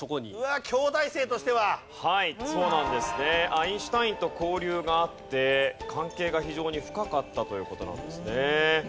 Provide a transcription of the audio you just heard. アインシュタインと交流があって関係が非常に深かったという事なんですね。